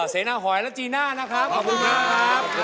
เสนาหอยและจีน่านะครับขอบคุณมากครับ